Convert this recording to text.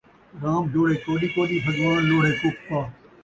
رام جوڑے کوݙی کوݙی ، بھڳوان لوڑھے کُپا